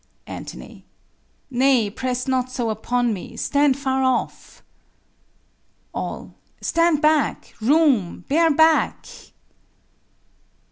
Ant. Nay, press not so upon me; stand far off. All. Stand back! room! bear back!